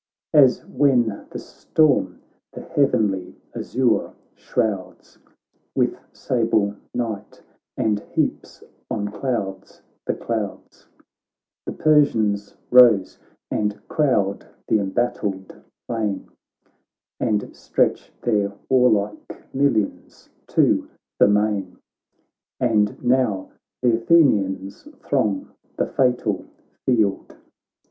As when the storm the heavenly azure shrouds With sable night, and heaps on clouds the clouds. The Persians rose, and crowd th' em battled plain. And stretch their warlike millions to the main ; And now th' Athenians throng the fatal field.